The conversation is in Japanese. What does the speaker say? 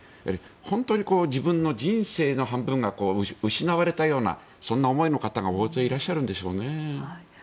本当に自分の人生の半分が失われたようなそんな思いの方が大勢いらっしゃるんでしょうね。